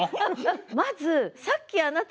まずさっきあなた